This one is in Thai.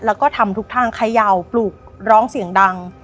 แล้วก็ทำทุกทางเขย่าปลูกร้องเสียงดัง